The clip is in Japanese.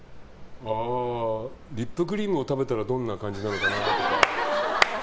リップクリームを食べたらどんな感じになるのかなとか。